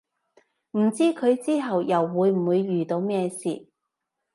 唔知佢之後又會唔會遇到咩事